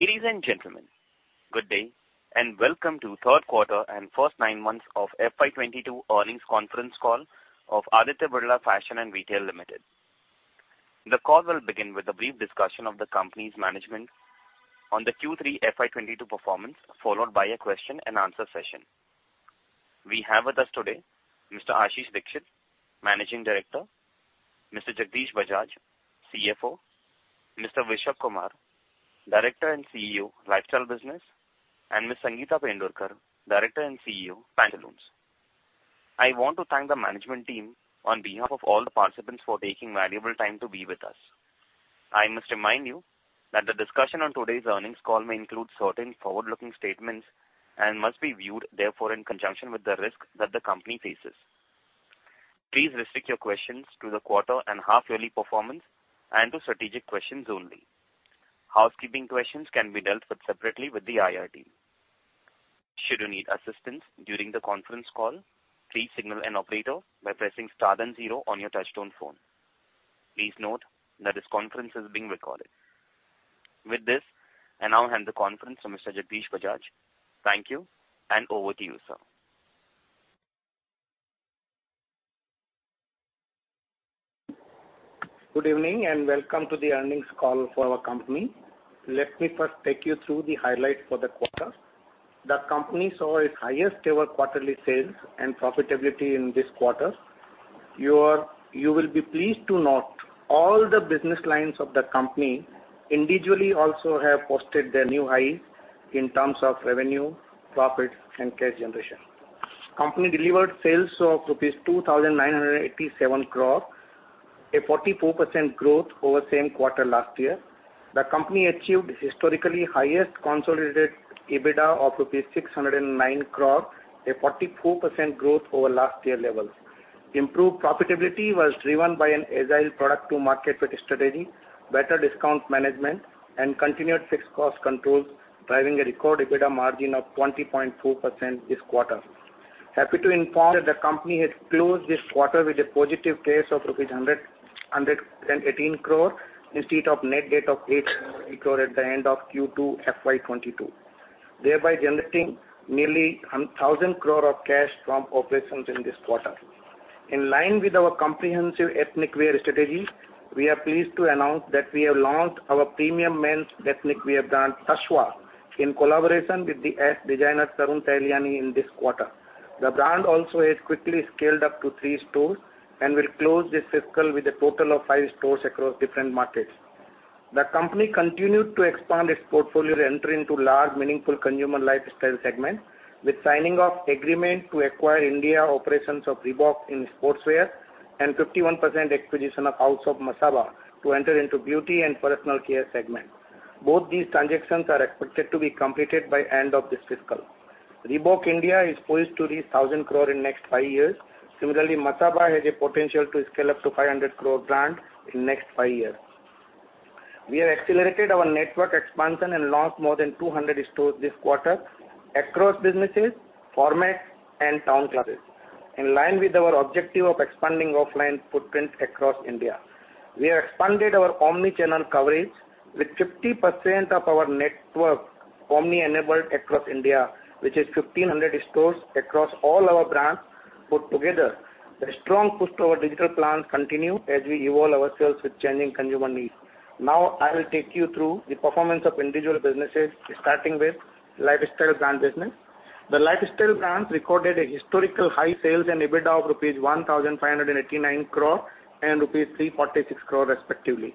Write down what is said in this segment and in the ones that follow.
Ladies and gentlemen, good day, and welcome to third quarter and first nine months of FY 2022 earnings conference call of Aditya Birla Fashion and Retail Limited. The call will begin with a brief discussion of the company's management on the Q3 FY 2022 performance, followed by a question and answer session. We have with us today Mr. Ashish Dikshit, Managing Director, Mr. Jagdish Bajaj, CFO, Mr. Vishak Kumar, Director and CEO, Lifestyle Business, and Ms. Sangeeta Pendurkar, Director and CEO, Pantaloons. I want to thank the management team on behalf of all the participants for taking valuable time to be with us. I must remind you that the discussion on today's earnings call may include certain forward-looking statements and must be viewed therefore in conjunction with the risk that the company faces. Please restrict your questions to the quarter and half yearly performance and to strategic questions only. Housekeeping questions can be dealt with separately with the IR team. Should you need assistance during the conference call, please signal an operator by pressing star then zero on your touchtone phone. Please note that this conference is being recorded. With this, I now hand the conference to Mr. Jagdish Bajaj. Thank you, and over to you, sir. Good evening, and welcome to the earnings call for our company. Let me first take you through the highlights for the quarter. The company saw its highest ever quarterly sales and profitability in this quarter. You will be pleased to note all the business lines of the company individually also have posted their new highs in terms of revenue, profit and cash generation. Company delivered sales of rupees 2,987 crore, a 44% growth over same quarter last year. The company achieved historically highest consolidated EBITDA of INR 609 crore, a 44% growth over last year levels. Improved profitability was driven by an agile product to market fit strategy, better discount management and continued fixed cost controls, driving a record EBITDA margin of 20.2% this quarter. Happy to inform that the company has closed this quarter with a positive cash of 118 crore instead of net debt of 8 crore at the end of Q2 FY 2022, thereby generating nearly 126 crore of cash from operations in this quarter. In line with our comprehensive ethnic wear strategy, we are pleased to announce that we have launched our premium men's ethnic wear brand, Tasva, in collaboration with the ace designer Tarun Tahiliani in this quarter. The brand also has quickly scaled up to three stores and will close this fiscal with a total of five stores across different markets. The company continued to expand its portfolio to enter into large, meaningful consumer lifestyle segments with signing of agreement to acquire India operations of Reebok in sportswear and 51% acquisition of House of Masaba to enter into beauty and personal care segment. Both these transactions are expected to be completed by end of this fiscal. Reebok India is poised to reach 1,000 crore in next five years. Similarly, Masaba has a potential to scale up to 500 crore brand in next five years. We have accelerated our network expansion and launched more than 200 stores this quarter across businesses, formats and town classes. In line with our objective of expanding offline footprint across India, we have expanded our omni-channel coverage with 50% of our network omni-enabled across India, which is 1,500 stores across all our brands put together. The strong push to our digital plans continue as we evolve ourselves with changing consumer needs. Now I will take you through the performance of individual businesses, starting with Lifestyle brand business. The Lifestyle brands recorded a historical high sales and EBITDA of rupees 1,589 crore and rupees 346 crore respectively.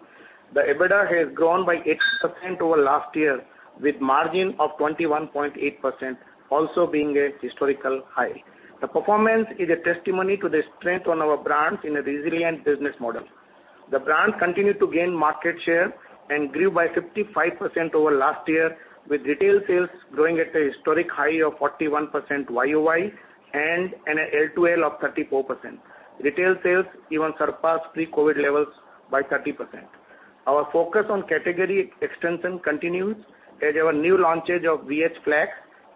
The EBITDA has grown by 8% over last year with margin of 21.8% also being a historical high. The performance is a testimony to the strength on our brands in a resilient business model. The brand continued to gain market share and grew by 55% over last year with retail sales growing at a historic high of 41% YoY and an L-to-L of 34%. Retail sales even surpassed pre-COVID levels by 30%. Our focus on category extension continues as our new launches of VH Flag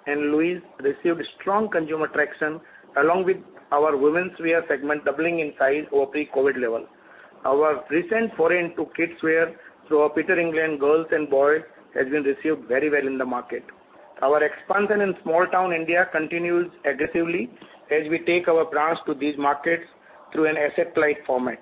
and Louise received strong consumer traction along with our womenswear segment doubling in size over pre-COVID level. Our recent foray into kids wear through our Peter England Girls and Boys has been received very well in the market. Our expansion in small town India continues aggressively as we take our brands to these markets through an asset light format.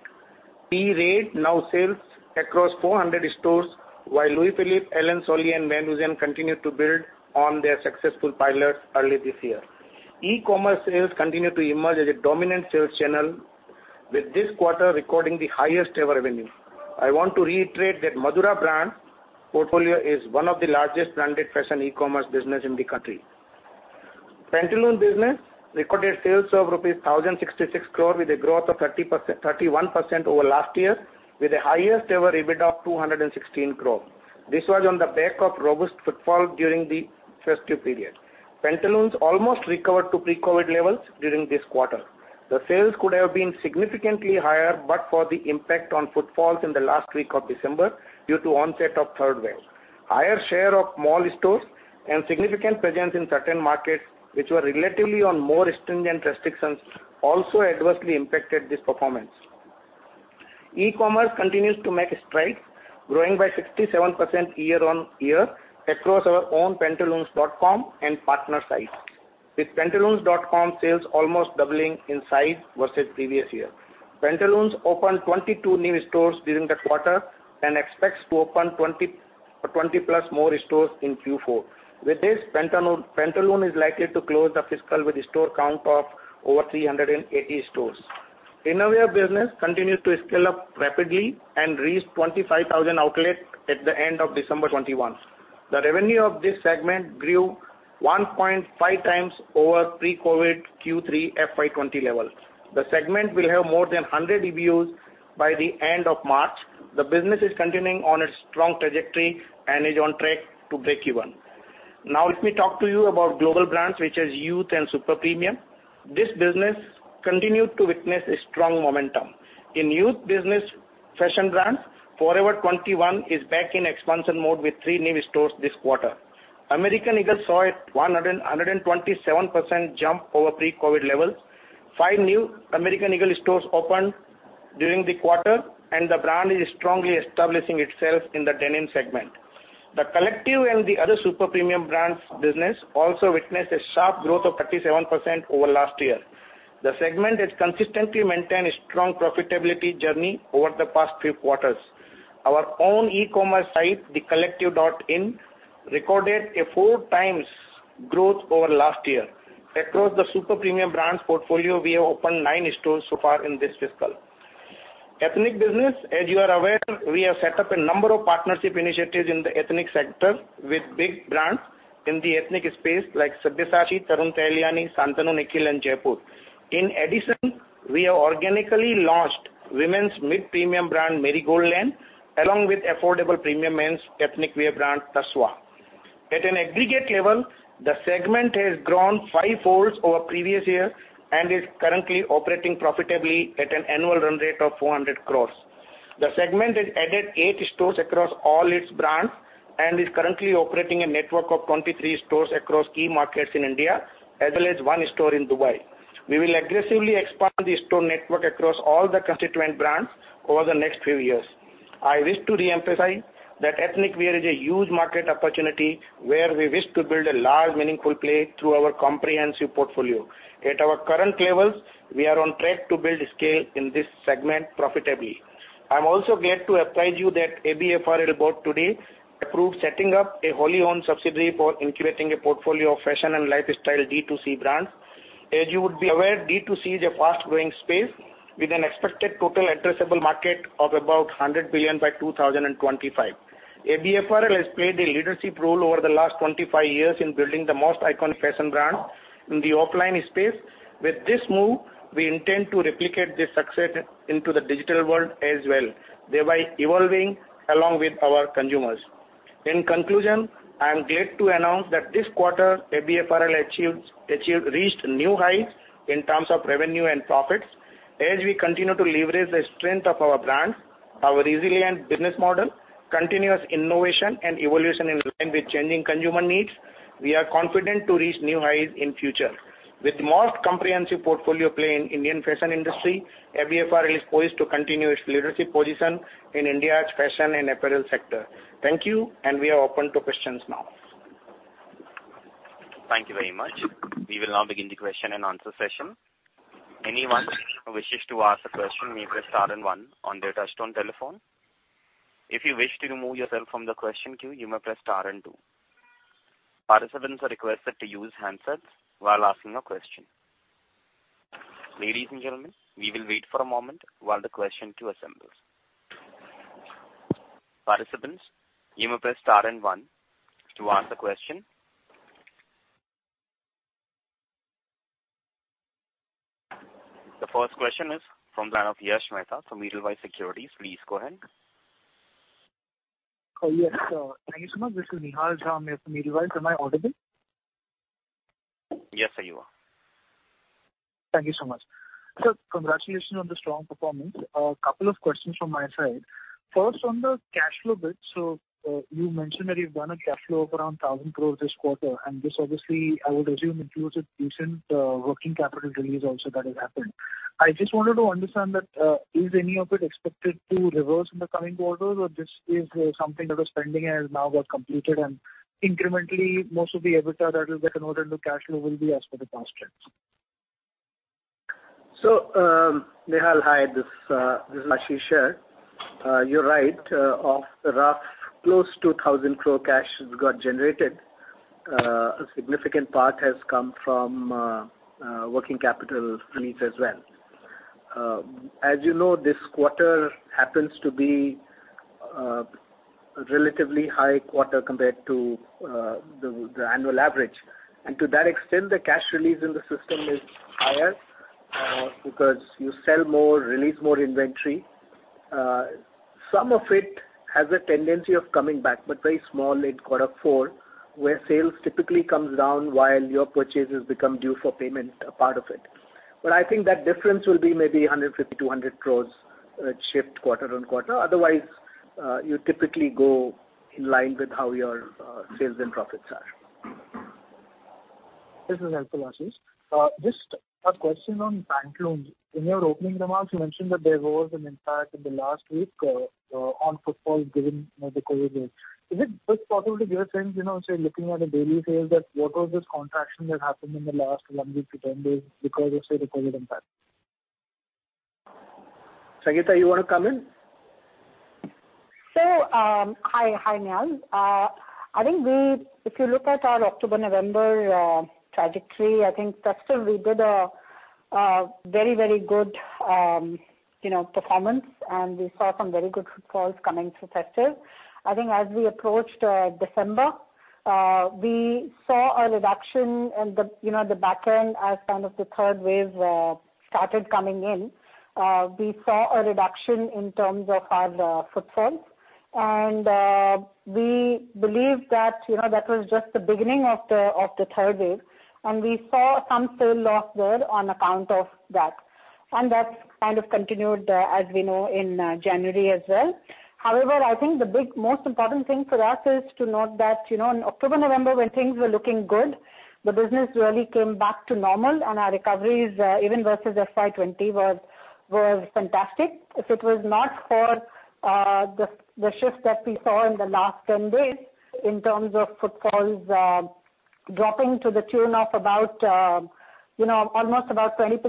PE Red now sells across 400 stores, while Louis Philippe, Allen Solly and Van Heusen continue to build on their successful pilots early this year. E-commerce sales continue to emerge as a dominant sales channel, with this quarter recording the highest ever revenue. I want to reiterate that Madura brand portfolio is one of the largest branded fashion e-commerce business in the country. Pantaloons business recorded sales of rupees 1,066 crore with a growth of 31% over last year with the highest ever EBITDA of 216 crore. This was on the back of robust footfall during the festive period. Pantaloons almost recovered to pre-COVID levels during this quarter. The sales could have been significantly higher, but for the impact on footfalls in the last week of December due to onset of third wave. Higher share of mall stores and significant presence in certain markets which were relatively on more stringent restrictions also adversely impacted this performance. E-commerce continues to make strides, growing by 67% year-on-year across our own pantaloons.com and partner sites, with pantaloons.com sales almost doubling in size versus previous year. Pantaloons opened 22 new stores during the quarter and expects to open 20+ more stores in Q4. With this, Pantaloons is likely to close the fiscal with a store count of over 380 stores. Innerwear business continues to scale up rapidly and reached 25,000 outlets at the end of December 2021. The revenue of this segment grew 1.5x over pre-COVID Q3 FY 2020 levels. The segment will have more than 100 EBOs by the end of March. The business is continuing on its strong trajectory and is on track to break even. Now, if we talk to you about global brands, which is youth and super premium, this business continued to witness a strong momentum. In youth business fashion brands, Forever 21 is back in expansion mode with three new stores this quarter. American Eagle saw a 127% jump over pre-COVID levels. Five new American Eagle stores opened during the quarter, and the brand is strongly establishing itself in the denim segment. The Collective and the other super premium brands business also witnessed a sharp growth of 37% over last year. The segment has consistently maintained a strong profitability journey over the past few quarters. Our own e-commerce site, thecollective.in, recorded 4x growth over last year. Across the super premium brands portfolio, we have opened nine stores so far in this fiscal. Ethnic business, as you are aware, we have set up a number of partnership initiatives in the ethnic sector with big brands in the ethnic space like Sabyasachi, Tarun Tahiliani, Shantanu & Nikhil, and Jaypore. In addition, we have organically launched women's mid-premium brand Marigold Lane, along with affordable premium men's ethnic wear brand Tasva. At an aggregate level, the segment has grown fivefold over previous year and is currently operating profitably at an annual run rate of 400 crore. The segment has added eight stores across all its brands and is currently operating a network of 23 stores across key markets in India, as well as one store in Dubai. We will aggressively expand the store network across all the constituent brands over the next few years. I wish to reemphasize that ethnic wear is a huge market opportunity where we wish to build a large, meaningful play through our comprehensive portfolio. At our current levels, we are on track to build scale in this segment profitably. I'm also glad to apprise you that ABFRL board today approved setting up a wholly owned subsidiary for incubating a portfolio of fashion and Lifestyle D2C brands. As you would be aware, D2C is a fast-growing space with an expected total addressable market of about 100 billion by 2025. ABFRL has played a leadership role over the last 25 years in building the most iconic fashion brand in the offline space. With this move, we intend to replicate this success into the digital world as well, thereby evolving along with our consumers. In conclusion, I am glad to announce that this quarter, ABFRL reached new heights in terms of revenue and profits. As we continue to leverage the strength of our brands, our resilient business model, continuous innovation and evolution in line with changing consumer needs, we are confident to reach new highs in future. With the most comprehensive portfolio play in Indian fashion industry, ABFRL is poised to continue its leadership position in India's fashion and apparel sector. Thank you, and we are open to questions now. Thank you very much. We will now begin the question and answer session. Anyone who wishes to ask a question may press star and one on their touchtone telephone. If you wish to remove yourself from the question queue, you may press star and two. Participants are requested to use handsets while asking a question. Ladies and gentlemen, we will wait for a moment while the question queue assembles. Participants, you may press star and one to ask a question. The first question is from the line of Yash Mehta from Edelweiss Securities. Please go ahead. Oh, yes, thank you so much. This is Nihal Jham here from Edelweiss. Am I audible? Yes, sir, you are. Thank you so much. Sir, congratulations on the strong performance. A couple of questions from my side. First, on the cash flow bit, you mentioned that you've done a cash flow of around 1,000 crore this quarter, and this obviously, I would assume includes a decent working capital release also that has happened. I just wanted to understand that, is any of it expected to reverse in the coming quarters or this is something that was pending and now got completed and incrementally most of the EBITDA that will get converted into cash flow will be as per the past trends? Nihal, hi, this is Ashish here. You're right, roughly close to 1,000 crore cash has got generated. A significant part has come from working capital release as well. As you know, this quarter happens to be a relatively high quarter compared to the annual average. To that extent, the cash release in the system is higher because you sell more, release more inventory. Some of it has a tendency of coming back, but very small in quarter four, where sales typically comes down while your purchases become due for payment, a part of it. I think that difference will be maybe 150 crore-200 crore shift quarter-on-quarter. Otherwise, you typically go in line with how your sales and profits are. This is helpful, Ashish. Just a question on Pantaloons. In your opening remarks, you mentioned that there was an impact in the last week on footfalls given, you know, the COVID wave. Is it just possible to give a sense, you know, say, looking at the daily sales that what was this contraction that happened in the last one week to ten days because of, say, the COVID impact? Sangeeta, you wanna come in? Hi, Nihal. I think if you look at our October/November trajectory, I think that's when we did a very, very good, you know, performance, and we saw some very good footfalls coming through festive. I think as we approached December, we saw a reduction in the, you know, the back end as kind of the third wave started coming in. We saw a reduction in terms of our footfalls. We believe that, you know, that was just the beginning of the third wave, and we saw some sale loss there on account of that. That's kind of continued, as we know, in January as well. However, I think the big, most important thing for us is to note that, you know, in October/November, when things were looking good, the business really came back to normal and our recoveries, even versus FY 2020 were fantastic. If it was not for the shift that we saw in the last 10 days in terms of footfalls dropping to the tune of about, you know, almost about 20%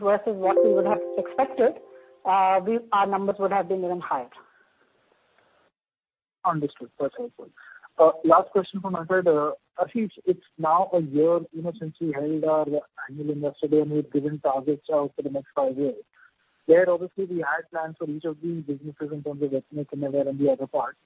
versus what we would have expected, our numbers would have been even higher. Understood. That's helpful. Last question from my side. Ashish, it's now a year, you know, since we held our annual Investor Day, and we've given targets out for the next five years, where obviously we had plans for each of the businesses in terms of ethnic, underwear and the other parts.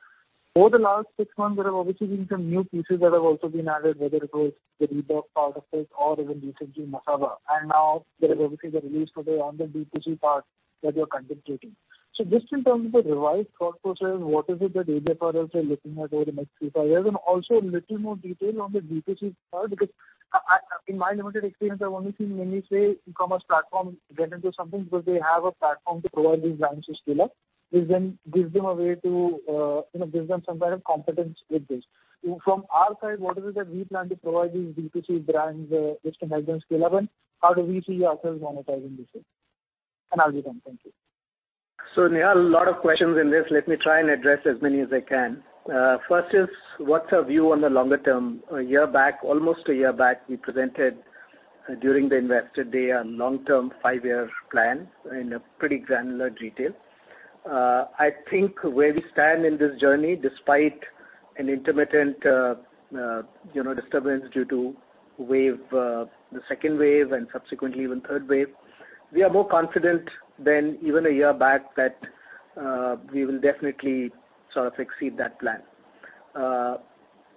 Over the last six months, there have obviously been some new pieces that have also been added, whether it was the Reebok part of it or even recently Masaba, and now there is obviously the release today on the D2C part that you're contemplating. Just in terms of the revised thought process, what is it that ABFRL is looking at over the next three, five years? And also a little more detail on the D2C part, because I... In my limited experience, I've only seen mainly, say, e-commerce platforms get into something because they have a platform to provide these brands to scale up, which then gives them a way to, you know, gives them some kind of complement with this. From our side, what is it that we plan to provide these D2C brands, which can help them scale up, and how do we see ourselves monetizing this thing? I'll be done. Thank you. Nihal, a lot of questions in this. Let me try and address as many as I can. First is, what's our view on the longer term? A year back, almost a year back, we presented during the Investor Day a long-term five-year plan in a pretty granular detail. I think where we stand in this journey, despite an intermittent, you know, disturbance due to wave, the second wave and subsequently even third wave, we are more confident than even a year back that we will definitely sort of exceed that plan.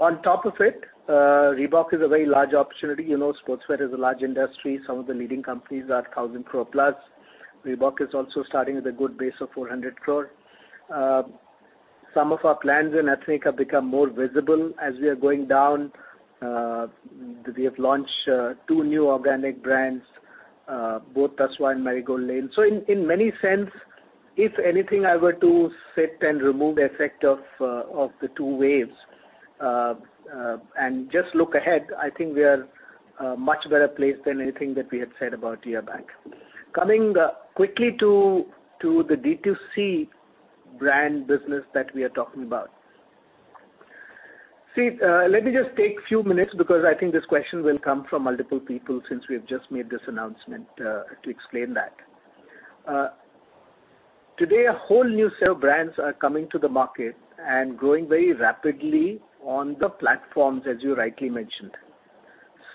On top of it, Reebok is a very large opportunity. You know, sportswear is a large industry. Some of the leading companies are 1,000 crore plus. Reebok is also starting with a good base of 400 crore. Some of our plans in ethnic have become more visible as we are going down. We have launched two new organic brands, both Tasva and Marigold Lane. In many sense, if anything, I were to sit and remove the effect of the two waves and just look ahead, I think we are much better placed than anything that we had said about a year back. Coming quickly to the D2C brand business that we are talking about. See, let me just take few minutes because I think this question will come from multiple people since we have just made this announcement to explain that. Today, a whole new set of brands are coming to the market and growing very rapidly on the platforms, as you rightly mentioned.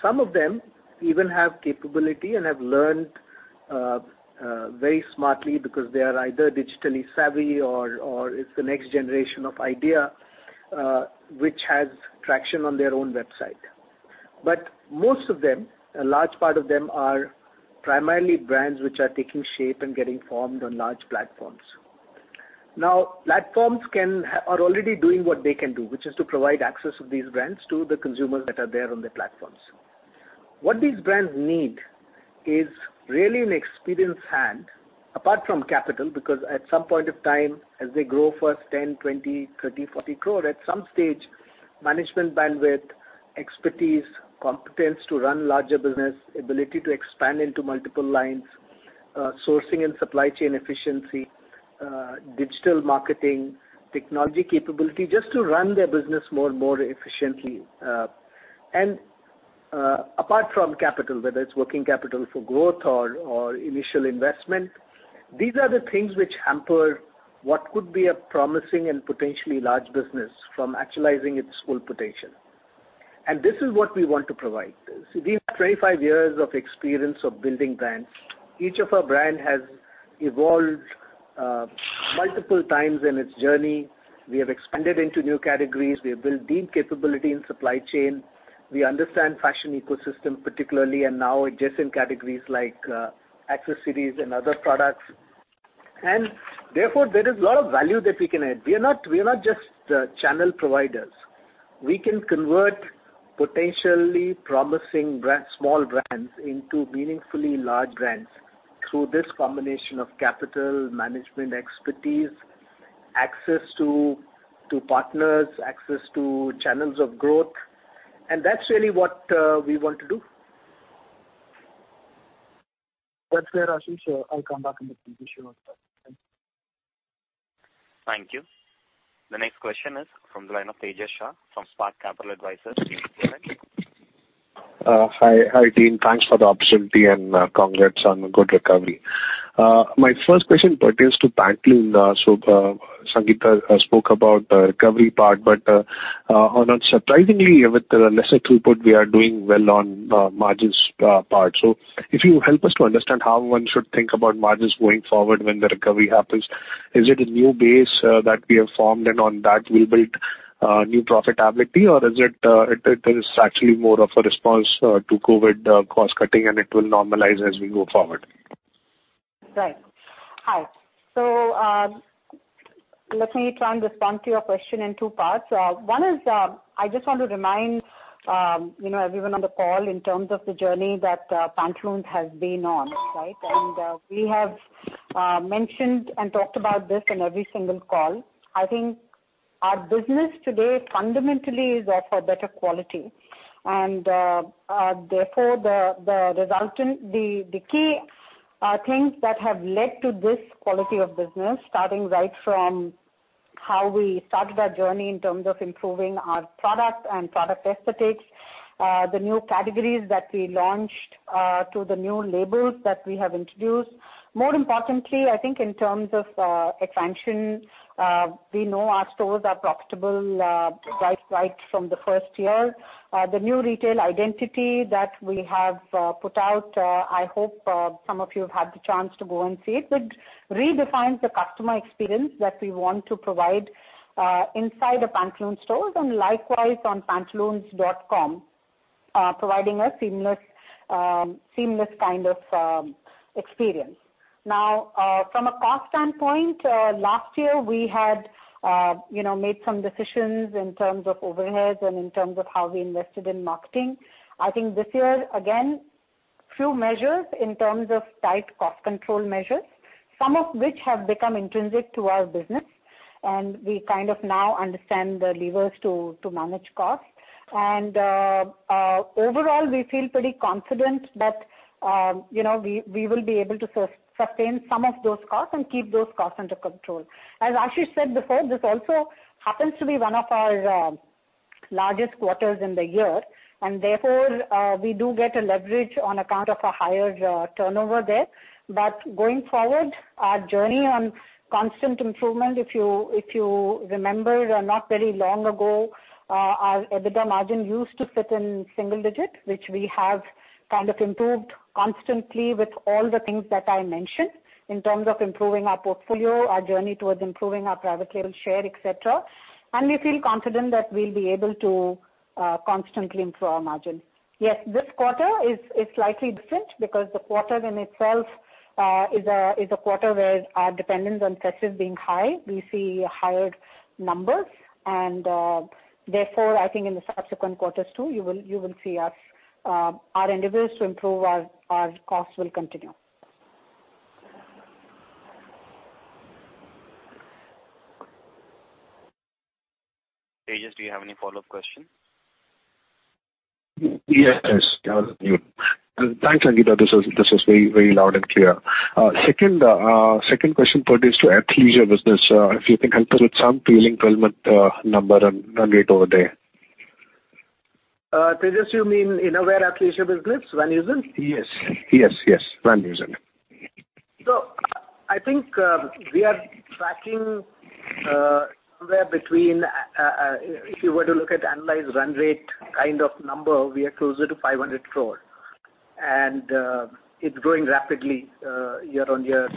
Some of them even have capability and have learned very smartly because they are either digitally savvy or it's the next generation of idea, which has traction on their own website. Most of them, a large part of them are primarily brands which are taking shape and getting formed on large platforms. Platforms are already doing what they can do, which is to provide access of these brands to the consumers that are there on their platforms. What these brands need is really an experienced hand, apart from capital, because at some point of time, as they grow first 10 crore, 20 crore, 30 crore, 40 crore, at some stage, management bandwidth, expertise, competence to run larger business, ability to expand into multiple lines, sourcing and supply chain efficiency, digital marketing, technology capability, just to run their business more and more efficiently. Apart from capital, whether it's working capital for growth or initial investment, these are the things which hamper what could be a promising and potentially large business from actualizing its full potential. This is what we want to provide. See, we have 25 years of experience of building brands. Each of our brand has evolved multiple times in its journey. We have expanded into new categories. We have built deep capability in supply chain. We understand fashion ecosystem particularly, and now adjacent categories like accessories and other products. Therefore, there is a lot of value that we can add. We are not just channel providers. We can convert potentially promising small brands into meaningfully large brands through this combination of capital, management expertise, access to partners, access to channels of growth, and that's really what we want to do. That's clear, Ashish. I'll come back in the Q&A show as well. Thanks. Thank you. The next question is from the line of Tejas Shah from Spark Capital Advisors Pvt Ltd. Hi. Hi, team. Thanks for the opportunity and congrats on the good recovery. My first question pertains to Pantaloons. Sangeeta spoke about the recovery part, but surprisingly with lesser throughput, we are doing well on margins part. If you help us to understand how one should think about margins going forward when the recovery happens. Is it a new base that we have formed, and on that we'll build new profitability? Or is it actually more of a response to COVID cost cutting and it will normalize as we go forward? Right. Hi. Let me try and respond to your question in two parts. One is, I just want to remind, you know, everyone on the call in terms of the journey that Pantaloons has been on, right? We have mentioned and talked about this in every single call. I think our business today fundamentally is of a better quality. Therefore, the key things that have led to this quality of business, starting right from how we started our journey in terms of improving our product and product aesthetics, the new categories that we launched, to the new labels that we have introduced. More importantly, I think in terms of expansion, we know our stores are profitable, right from the first year. The new retail identity that we have put out, I hope some of you have had the chance to go and see it. It redefines the customer experience that we want to provide inside the Pantaloons stores and likewise on pantaloons.com, providing a seamless kind of experience. Now, from a cost standpoint, last year we had, you know, made some decisions in terms of overheads and in terms of how we invested in marketing. I think this year, again, few measures in terms of tight cost control measures, some of which have become intrinsic to our business, and we kind of now understand the levers to manage costs. Overall, we feel pretty confident that, you know, we will be able to sustain some of those costs and keep those costs under control. As Ashish said before, this also happens to be one of our largest quarters in the year, and therefore, we do get a leverage on account of a higher turnover there. Going forward, our journey on constant improvement, if you remember, not very long ago, our EBITDA margin used to sit in single digit, which we have kind of improved constantly with all the things that I mentioned in terms of improving our portfolio, our journey towards improving our private label share, et cetera. We feel confident that we'll be able to constantly improve our margin. Yes, this quarter is slightly different because the quarter in itself is a quarter where our dependence on festive being high. We see higher numbers and, therefore, I think in the subsequent quarters too, you will see us, our endeavors to improve our costs will continue. Tejas, do you have any follow-up question? Yes, yes. I was on mute. Thanks, Sangeeta. This was very, very loud and clear. Second question pertains to Athleisure business. If you can help us with some trailing twelve-month number and run rate over there. Tejas, you mean Innerwear Athleisure business, Van Heusen? Yes, Van Heusen. I think we are tracking somewhere, if you were to look at annualized run rate kind of number, we are closer to 500 crore. It's growing rapidly year-over-year.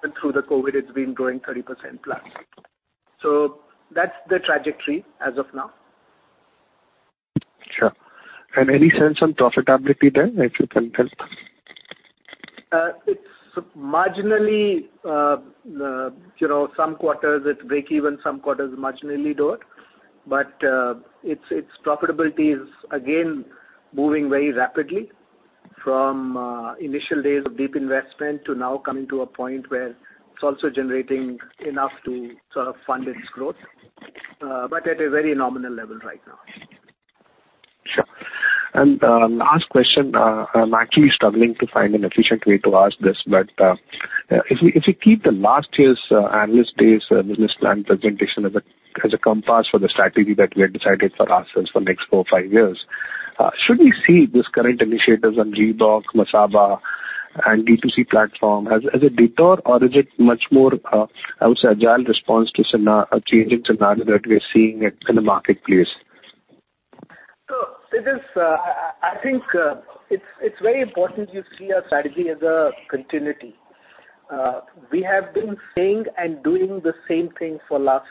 Even through the COVID, it's been growing 30%+. That's the trajectory as of now. Sure. Any sense on profitability there, if you can help? It's marginally, you know, some quarters it's breakeven, some quarters marginally lower. Its profitability is again moving very rapidly from initial days of deep investment to now coming to a point where it's also generating enough to sort of fund its growth, but at a very nominal level right now. Sure. Last question. I'm actually struggling to find an efficient way to ask this. If we keep last year's Analyst Day's Business Plan Presentation as a compass for the strategy that we have decided for ourselves for next four, five years, should we see this current initiatives on Reebok, Masaba, and D2C platform as a detour or is it much more, I would say, agile response to changing scenario that we are seeing in the marketplace? Tejas, I think it's very important you see our strategy as a continuity. We have been saying and doing the same thing for last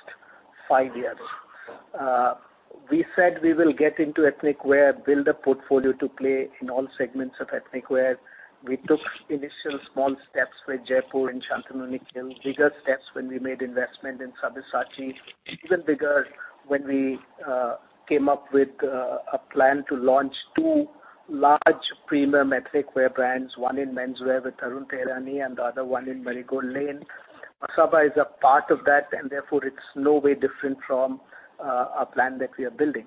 five years. We said we will get into ethnic wear, build a portfolio to play in all segments of ethnic wear. We took initial small steps with Jaypore and Shantanu & Nikhil, bigger steps when we made investment in Sabyasachi, even bigger when we came up with a plan to launch two large premium ethnic wear brands, one in menswear with Tarun Tahiliani and the other one in Marigold Lane. Masaba is a part of that, and therefore it's no way different from a plan that we are building.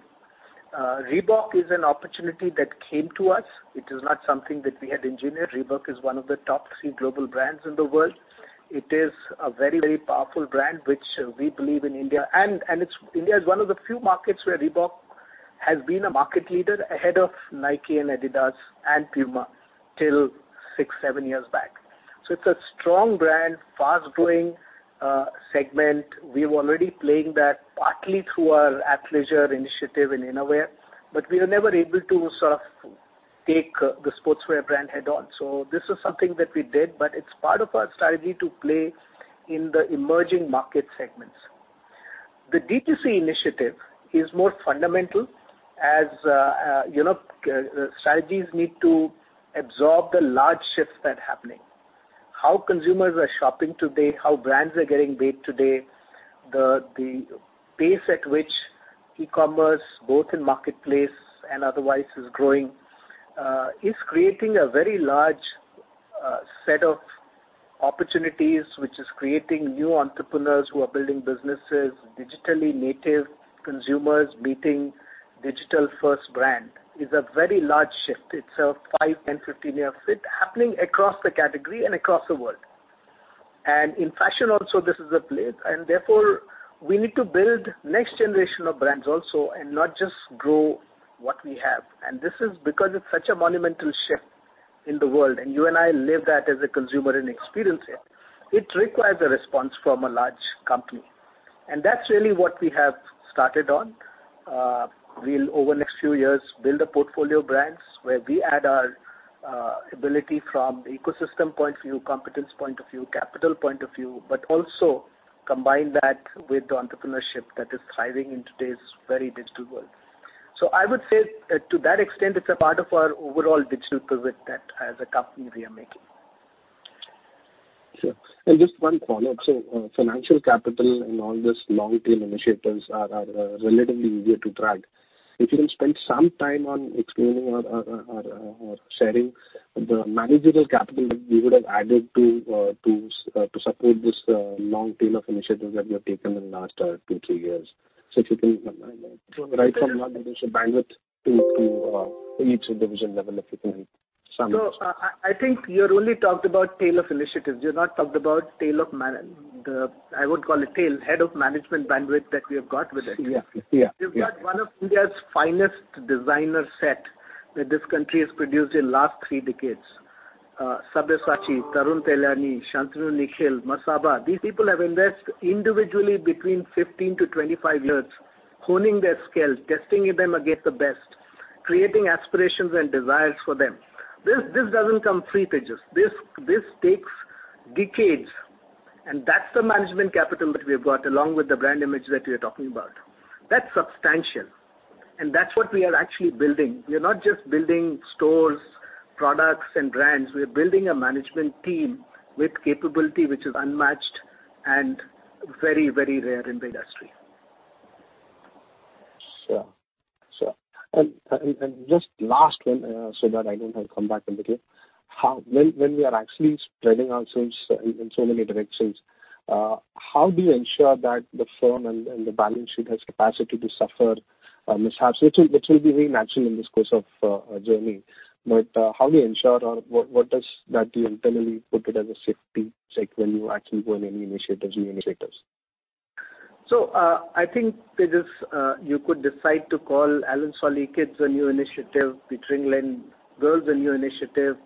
Reebok is an opportunity that came to us. It is not something that we had engineered. Reebok is one of the top three global brands in the world. It is a very, very powerful brand, which we believe in India. India is one of the few markets where Reebok has been a market leader ahead of Nike and Adidas and Puma till six, seven years back. It's a strong brand, fast-growing segment. We're already playing that partly through our Athleisure initiative in innerwear, but we were never able to sort of take the sportswear brand head-on. This is something that we did, but it's part of our strategy to play in the emerging market segments. The D2C initiative is more fundamental as you know strategies need to absorb the large shifts that are happening. How consumers are shopping today, how brands are getting built today, the pace at which e-commerce, both in marketplace and otherwise, is growing, is creating a very large set of opportunities, which is creating new entrepreneurs who are building businesses. Digitally native consumers meeting digital-first brand is a very large shift. It's a five, 10, 15 year shift happening across the category and across the world. In fashion also, this is at play. Therefore, we need to build next generation of brands also and not just grow what we have. This is because it's such a monumental shift in the world, and you and I live that as a consumer and experience it. It requires a response from a large company. That's really what we have started on. We'll over the next few years build a portfolio of brands where we add our ability from ecosystem point of view, competence point of view, capital point of view, but also combine that with the entrepreneurship that is thriving in today's very digital world. I would say to that extent, it's a part of our overall digital pivot that as a company we are making. Sure. Just one follow-up. Financial capital and all this long-tail initiatives are relatively easier to track. If you can spend some time on explaining or sharing the managerial capital that you would have added to support this long tail of initiatives that you have taken in the last two to three years. If you can right from managerial bandwidth to each division level, if you can summarize. I think you only talked about tail of initiatives. You've not talked about I would call it tail, head of management bandwidth that we have got with it. Yeah. Yeah. Yeah. We've got one of India's finest designers that this country has produced in last three decades. Sabyasachi, Tarun Tahiliani, Shantanu & Nikhil, Masaba, these people have invested individually between 15-25 years honing their skills, testing them against the best, creating aspirations and desires for them. This doesn't come free, Tejas. This takes decades, and that's the management capital that we have got along with the brand image that you're talking about. That's substantial, and that's what we are actually building. We are not just building stores, products and brands. We are building a management team with capability which is unmatched and very, very rare in the industry. Sure. Just last one, so that I don't have to come back on the call. When we are actually spreading ourselves in so many directions, how do you ensure that the firm and the balance sheet has capacity to suffer mishaps, which will be very natural in this course of journey. How do you ensure or what do you internally put it as a safety check when you actually go in any new initiatives? I think, Tejas, you could decide to call Allen Solly Kids a new initiative, Peter England Girls a new initiative.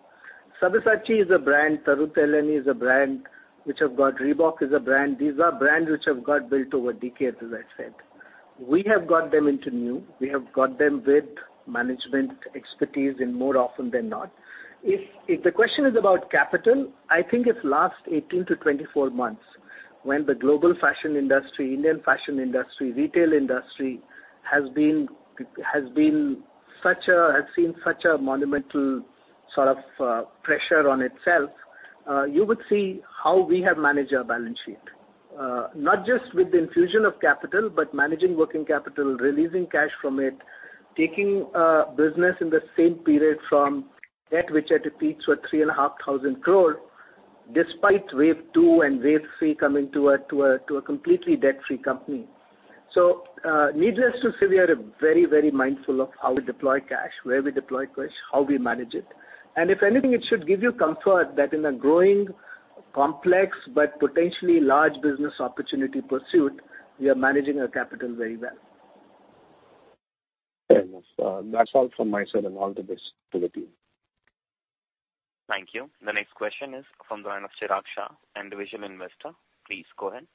Sabyasachi is a brand. Tarun Tahiliani is a brand which have got Reebok is a brand. These are brands which have got built over decades, as I said. We have got them into new. We have got them with management expertise in more often than not. If the question is about capital, I think it's last 18-24 months when the global fashion industry, Indian fashion industry, retail industry has been such a has seen such a monumental sort of pressure on itself, you would see how we have managed our balance sheet. Not just with the infusion of capital, but managing working capital, releasing cash from it, taking business in the same period from debt which had peaked to 3,500 crore, despite wave two and wave three coming to a completely debt-free company. Needless to say, we are very, very mindful of how we deploy cash, where we deploy cash, how we manage it. If anything, it should give you comfort that in a growing complex but potentially large business opportunity pursuit, we are managing our capital very well. Fair enough. That's all from my side and all the best to the team. Thank you. The next question is from the line of Chirag Shah, Individual Investor. Please go ahead.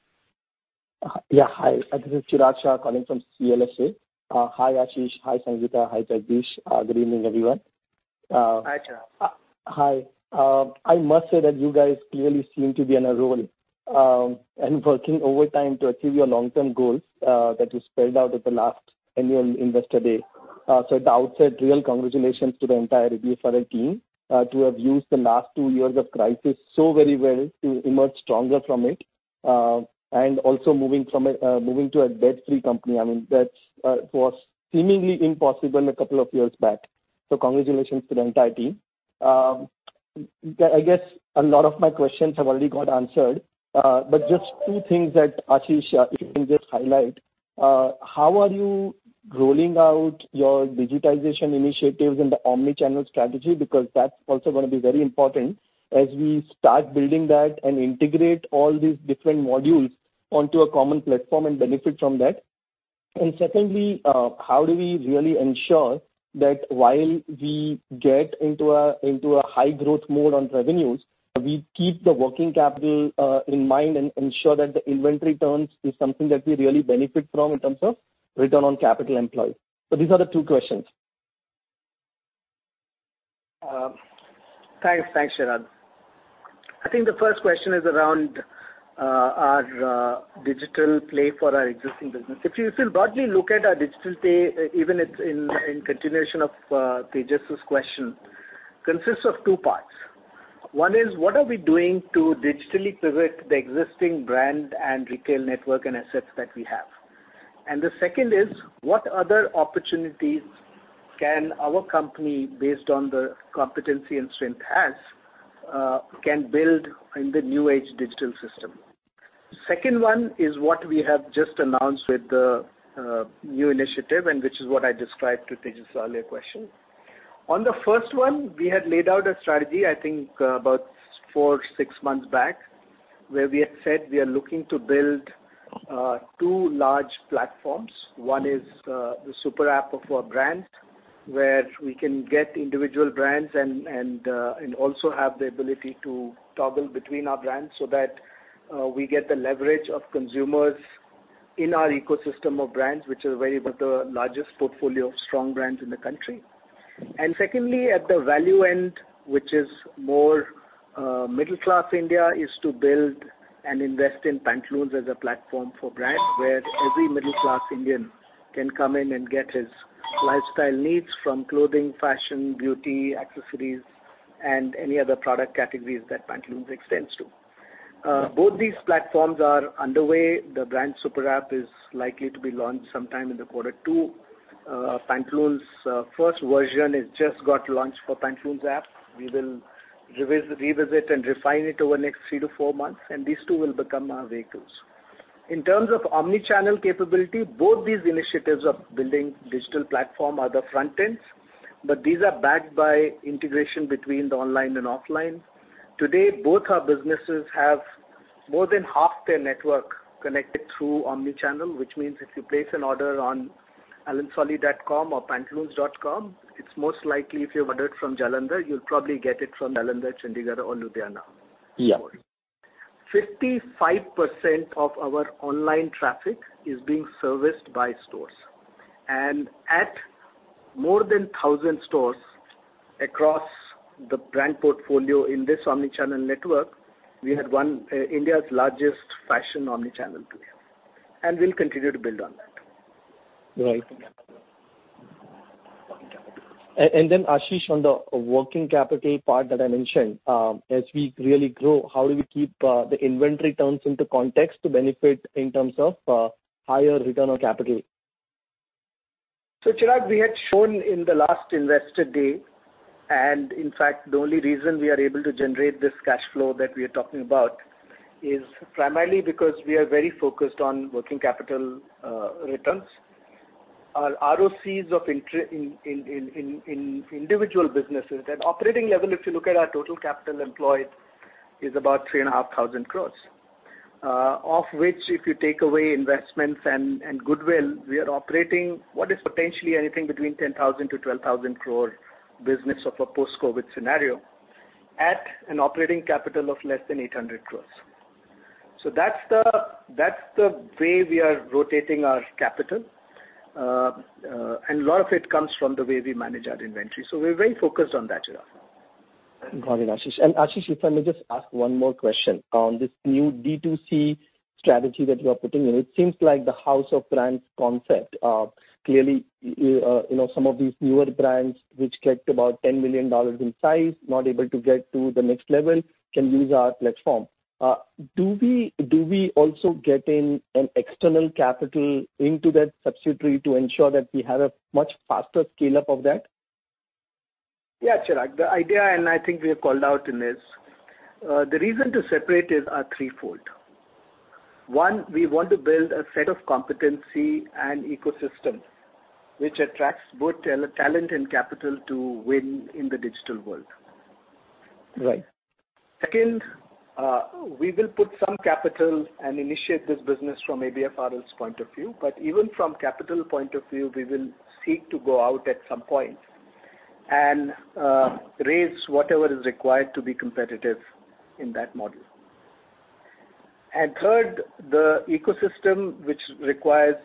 Hi. This is Chirag Shah calling from CLSA. Hi, Ashish. Hi, Sangeeta. Hi, Jagdish. Good evening, everyone. Hi, Chirag. Hi. I must say that you guys clearly seem to be on a roll, and working overtime to achieve your long-term goals that you spelled out at the last annual Investor Day. At the outset, real congratulations to the entire Retail team to have used the last two years of crisis so very well to emerge stronger from it. Also moving to a debt-free company. I mean, that's was seemingly impossible a couple of years back. Congratulations to the entire team. I guess a lot of my questions have already got answered, but just two things that, Ashish, if you can just highlight how are you rolling out your digitization initiatives in the omni-channel strategy? Because that's also gonna be very important as we start building that and integrate all these different modules onto a common platform and benefit from that. Secondly, how do we really ensure that while we get into a high growth mode on revenues, we keep the working capital in mind and ensure that the inventory turns is something that we really benefit from in terms of return on capital employed. These are the two questions. Thanks, Chirag. I think the first question is around our digital play for our existing business. If you broadly look at our digital play, even it is in continuation of Tejas' question, consists of two parts. One is, what are we doing to digitally pivot the existing brand and retail network and assets that we have? The second is, what other opportunities can our company, based on the competency and strength it has, can build in the new age digital system? Second one is what we have just announced with the new initiative, and which is what I described to Tejas' earlier question. On the first one, we had laid out a strategy, I think, about four, six months back, where we had said we are looking to build two large platforms. One is the super app of our brand, where we can get individual brands and also have the ability to toggle between our brands so that we get the leverage of consumers in our ecosystem of brands, which is very much the largest portfolio of strong brands in the country. Secondly, at the value end, which is more middle class India, is to build and invest in Pantaloons as a platform for brands, where every middle class Indian can come in and get his lifestyle needs from clothing, fashion, beauty, accessories and any other product categories that Pantaloons extends to. Both these platforms are underway. The brand super app is likely to be launched sometime in the quarter two. Pantaloons' first version is just got launched for Pantaloons app. We will revisit and refine it over the next three to four months, and these two will become our vehicles. In terms of omni-channel capability, both these initiatives of building digital platform are the front ends, but these are backed by integration between the online and offline. Today, both our businesses have more than half their network connected through omni-channel, which means if you place an order on allensolly.com or pantaloons.com, it's most likely if you've ordered from Jalandhar, you'll probably get it from Jalandhar, Chandigarh or Ludhiana. Yeah. 55% of our online traffic is being serviced by stores. At more than 1,000 stores across the brand portfolio in this omni-channel network, we have India's largest fashion omni-channel today, and we'll continue to build on that. Right. Ashish, on the working capital part that I mentioned, as we really grow, how do we keep the inventory turns in context to benefit in terms of higher return on capital? Chirag, we had shown in the last Investor Day, and in fact the only reason we are able to generate this cash flow that we are talking about, is primarily because we are very focused on working capital returns. Our ROCE in individual businesses at operating level, if you look at our total capital employed, is about 3,500 crore. Of which if you take away investments and goodwill, we are operating what is potentially anything between 10,000 crore-12,000 crore business of a post-COVID scenario at an operating capital of less than 800 crore. That's the way we are rotating our capital, and a lot of it comes from the way we manage our inventory, so we're very focused on that, Chirag. Got it, Ashish. Ashish, if I may just ask one more question on this new D2C strategy that you are putting in. It seems like the house of brands concept. Clearly, you know, some of these newer brands which get about $10 million in size, not able to get to the next level, can use our platform. Do we also get in an external capital into that subsidiary to ensure that we have a much faster scale up of that? Yeah, Chirag. The idea, and I think we have called out in this, the reason to separate is threefold. One, we want to build a set of competency and ecosystem which attracts both talent and capital to win in the digital world. Right. Second, we will put some capital and initiate this business from ABFRL's point of view, but even from capital point of view, we will seek to go out at some point and raise whatever is required to be competitive in that model. Third, the ecosystem which requires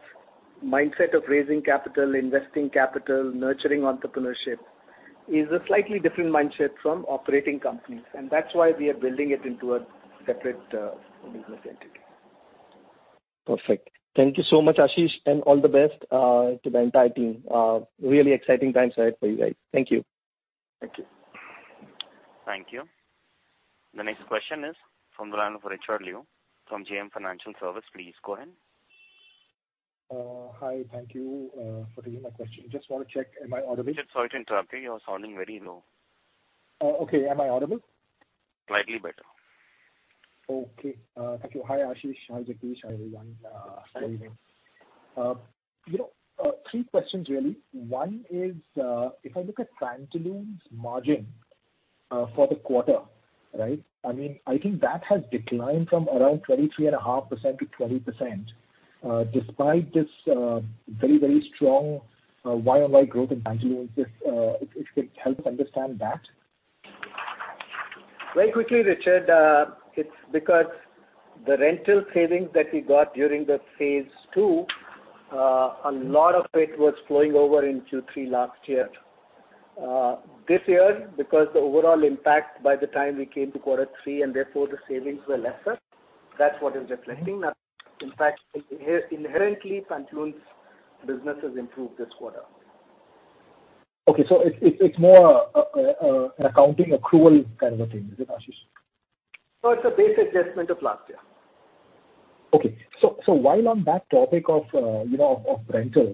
mindset of raising capital, investing capital, nurturing entrepreneurship, is a slightly different mindset from operating companies, and that's why we are building it into a separate business entity. Perfect. Thank you so much, Ashish, and all the best to the entire team. Really exciting times ahead for you guys. Thank you. Thank you. Thank you. The next question is from the line of Richard Liu from JM Financial Services. Please go ahead. Hi. Thank you for taking my question. Just wanna check, am I audible? Richard, sorry to interrupt you. You're sounding very low. Oh, okay. Am I audible? Slightly better. Okay. Thank you. Hi, Ashish. Hi, Jagdish. Hi, everyone. Good evening. You know, three questions really. One is, if I look at Pantaloons' margin, for the quarter, right? I mean, I think that has declined from around 23.5% to 20%, despite this very, very strong YoY growth in Pantaloons. If you could help us understand that. Very quickly, Richard. It's because the rental savings that we got during the phase two, a lot of it was flowing over in Q3 last year. This year, because the overall impact by the time we came to quarter three, and therefore the savings were lesser, that's what is reflecting. In fact, inherently, Pantaloons' business has improved this quarter. Okay. It's more an accounting accrual kind of a thing, is it, Ashish? No, it's a base adjustment of last year. While on that topic of rental,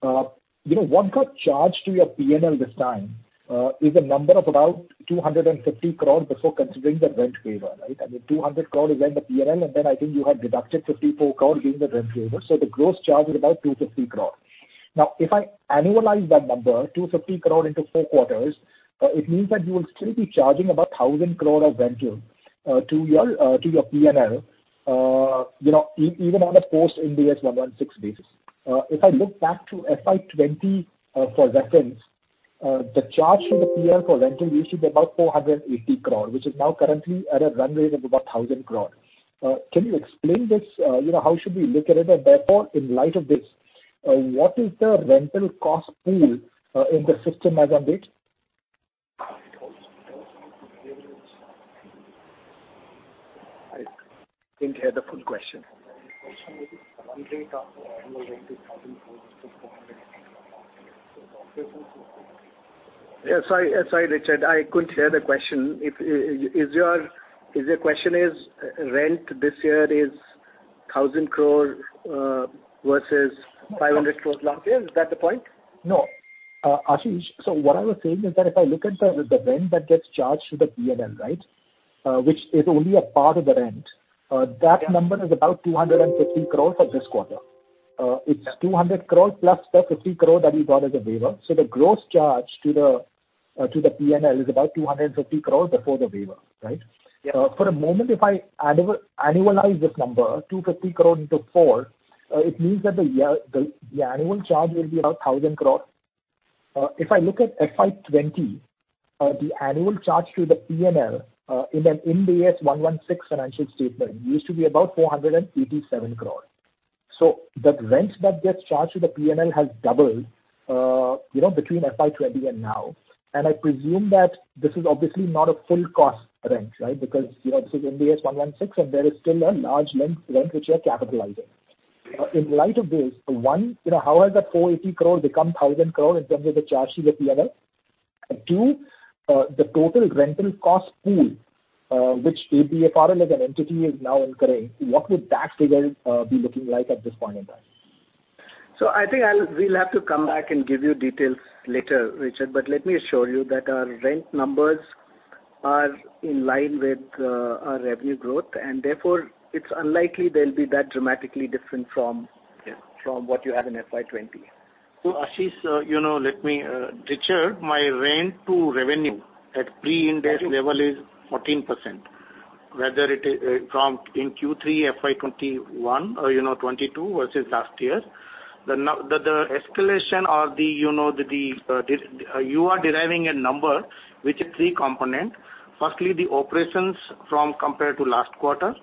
what got charged to your PNL this time is a number of about 250 crore before considering the rent waiver, right? I mean, 200 crore is in the P&L, and then I think you had deducted 54 crore being the rent waiver, so the gross charge is about 250 crore. Now, if I annualize that number, 250 crore into four quarters, it means that you will still be charging about 1,000 crore of rental to your P&L, you know, even on a post-Ind AS 116 basis. If I look back to FY 2020, for reference, the charge to the PNL for rental used to be about 480 crore, which is now currently at a run rate of about 1,000 crore. Can you explain this? You know, how should we look at it? Therefore, in light of this, what is the rental cost pool in the system as on date? I didn't hear the full question. The question is, as on date. Yeah, sorry. Sorry, Richard. I couldn't hear the question. Is your question rent this year is 1,000 crore versus 500 crore last year? Is that the point? No. Ashish, what I was saying is that if I look at the rent that gets charged to the PNL, right, which is only a part of the rent, that number is about 250 crores for this quarter. It's 200 crores plus the 50 crore that you got as a waiver. The gross charge to the PNL is about 250 crores before the waiver, right? Yeah. For a moment, if I annualize this number, 250 crore into four, it means that the annual charge will be about 1,000 crore. If I look at FY 2020, the annual charge to the PNL in an Ind AS 116 financial statement used to be about 487 crore. The rent that gets charged to the PNL has doubled, you know, between FY 2020 and now. I presume that this is obviously not a full cost rent, right? Because, you know, this is Ind AS 116, and there is still a large lease rent which you are capitalizing. In light of this, you know, how has that 480 crore become 1,000 crore in terms of the charge to the PNL? Two, the total rental cost pool which ABFRL as an entity is now incurring, what would that figure be looking like at this point in time? I think we'll have to come back and give you details later, Richard. Let me assure you that our rent numbers are in line with our revenue growth, and therefore it's unlikely they'll be that dramatically different from. Yes. From what you have in FY 2020. Ashish, you know, let me, Richard, my rent to revenue at pre-Ind AS level is 14%, whether it is from in Q3 FY 2021 or, you know, 2022 versus last year. The escalation or the, you know, the number you are deriving which is three components. Firstly, the operations from compared to last quarter.